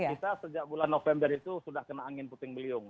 kita sejak bulan november itu sudah kena angin puting beliung